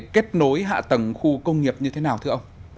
kết nối hạ tầng khu công nghiệp như thế nào thưa ông